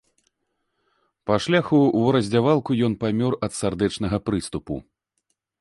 Па шляху ў раздзявалку ён памёр ад сардэчнага прыступу.